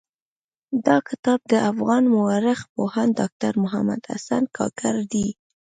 دا کتاب د افغان مٶرخ پوهاند ډاکټر محمد حسن کاکړ دٸ.